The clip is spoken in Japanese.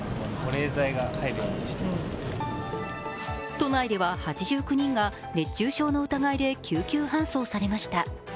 都内では８９人が熱中症の疑いで救急搬送されました。